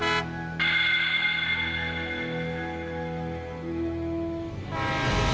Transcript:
agak banget rugi aja dulu